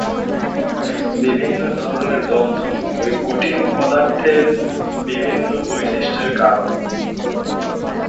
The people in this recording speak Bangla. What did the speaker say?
বিভিন্ন ধরণের বন্ধন ঐ কঠিন পদার্থের বিভিন্ন বৈশিষ্টের কারণ।